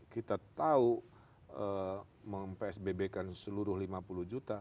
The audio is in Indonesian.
kita tahu mem psbb kan seluruh lima puluh juta